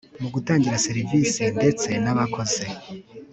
mu gutanga serivisi ndetse n'abakoze